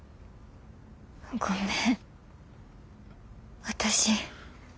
ごめん私。